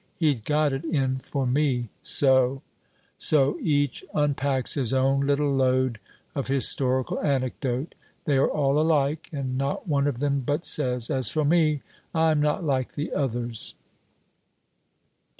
He'd got it in for me, so " So each unpacks his own little load of historical anecdote. They are all alike, and not one of them but says, "As for me, I am not like the others."